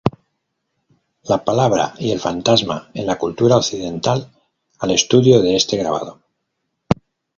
La palabra y el fantasma en la cultura occidental" al estudio de este grabado.